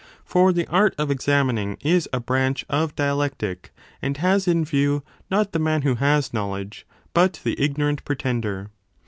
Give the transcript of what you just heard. For the art of examining is a branch of dialectic and has in view not the man who has 5 knowledge, but the ignorant pretender.